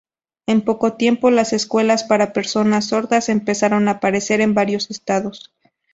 En poco tiempo, las escuelas para personas sordas empezaron a aparecer en varios estados.